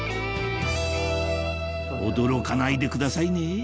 驚かないでくださいね